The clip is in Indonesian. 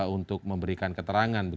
untuk memberikan keterangan